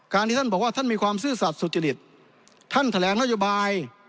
ที่ท่านบอกว่าท่านมีความซื่อสัตว์สุจริตท่านแถลงนโยบาย